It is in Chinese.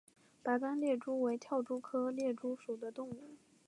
白斑猎蛛为跳蛛科猎蛛属的动物。